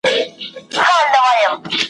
پیر محمد کاکړ